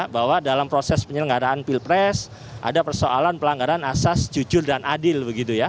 bahwa dalam proses penyelenggaraan pilpres ada persoalan pelanggaran asas jujur dan adil begitu ya